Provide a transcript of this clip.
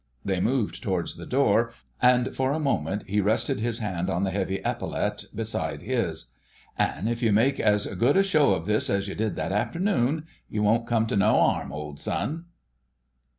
'" They moved towards the door, and for a moment he rested his hand on the heavy epaulette beside his. "An' if you make as good a show of this as you did that afternoon, you won't come to no 'arm, old son."